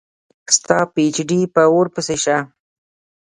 ستا پي ایچ ډي په اوور پسي شه